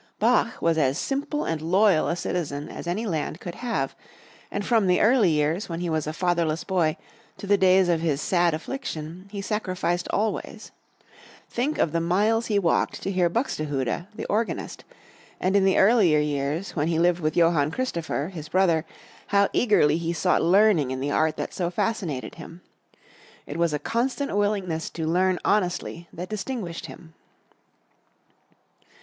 Bach was as simple and loyal a citizen as any land could have, and from the early years when he was a fatherless boy to the days of his sad affliction, he sacrificed always. Think of the miles he walked to hear Buxterhude, the organist; and in the earlier years, when he lived with Johann Christopher, his brother, how eagerly he sought learning in the art that so fascinated him. It was a constant willingness to learn honestly that distinguished him.